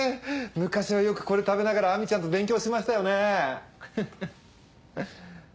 昔はよくこれ食べながら亜美ちゃんと勉強しましたよね。へへっ。